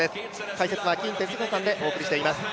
解説は金哲彦さんでお送りしております。